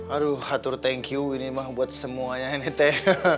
aduh hatur thank you ini mah buat semuanya ini teh